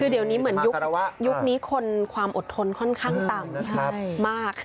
คือเดี๋ยวนี้เหมือนยุคนี้คนความอดทนค่อนข้างต่ำมาก